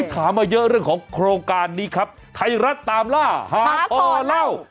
ถามมาเยอะเรื่องของโครงการนี้ครับไทยรัฐตามล่าหาคอเล่า